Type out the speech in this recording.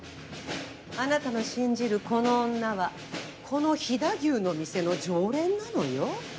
あなたの信じるこの女はこの飛騨牛の店の常連なのよ。